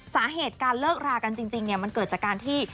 สาเหตุการเลิกรากันจริงมันเกิดจากการที่